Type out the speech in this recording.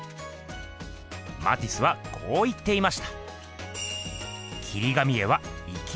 マティスはこう言っていました。